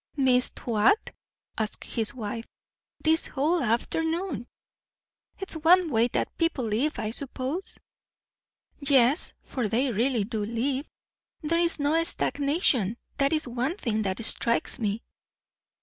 "Missed what?" asked his wife. "This whole afternoon." "It's one way that people live, I suppose." "Yes, for they really do live; there is no stagnation; that is one thing that strikes me."